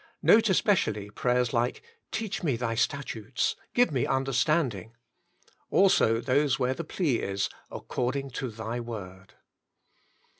Note especially prayers like " Teach me Thy statutes/' " Give me understanding." Also those where the plea is " according to Thy Word.''